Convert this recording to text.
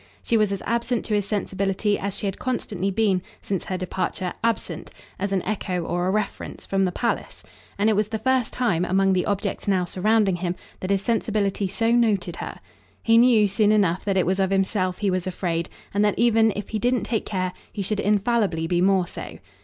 She was as absent to his sensibility as she had constantly been, since her departure, absent, as an echo or a reference, from the palace; and it was the first time, among the objects now surrounding him, that his sensibility so noted her. He knew soon enough that it was of himself he was afraid, and that even, if he didn't take care, he should infallibly be more so.